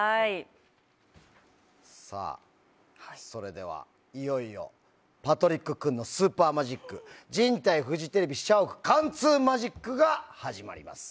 さあ、それではいよいよパトリック・クンのスーパーマジック人体フジテレビ社屋貫通マジックが始まります。